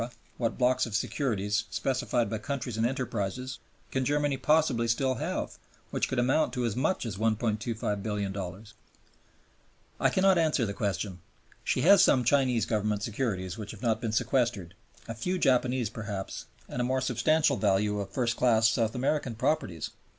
what blocks of securities, specified by countries and enterprises, can Germany possibly still have which could amount to as much as $1,250,000,000? I cannot answer the question. She has some Chinese Government securities which have not been sequestered, a few Japanese perhaps, and a more substantial value of first class South American properties.